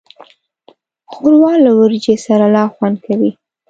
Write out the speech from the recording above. ښوروا له وریجو سره لا خوند کوي.